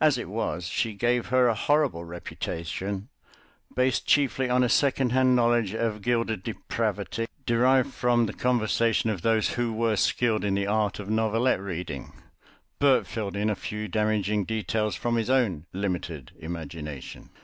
As it was, she gave her a horrible reputation, based chiefly on a secondhand knowledge of gilded depravity derived from the conversation of those who were skilled in the art of novelette reading; Bert filled in a few damaging details from his own limited imagination.